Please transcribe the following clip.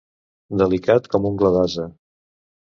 Delicat com ungla d'ase.